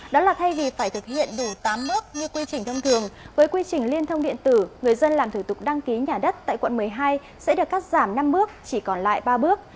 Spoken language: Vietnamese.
đó là thay vì phải thực hiện đủ tám bước như quy trình thông thường với quy trình liên thông điện tử người dân làm thủ tục đăng ký nhà đất tại quận một mươi hai sẽ được cắt giảm năm bước chỉ còn lại ba bước